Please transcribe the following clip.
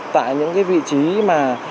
tại những cái vị trí mà